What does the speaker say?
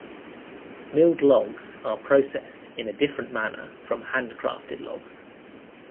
Milled logs are processed in a different manner from handcrafted logs.